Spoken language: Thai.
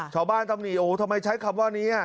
ชาวบ้านตำหนิโอ้โหทำไมใช้คำว่านี้น่ะ